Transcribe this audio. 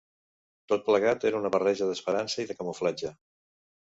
Tot plegat era una barreja d'esperança i de camuflatge